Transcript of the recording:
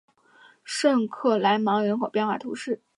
圣克莱芒人口变化图示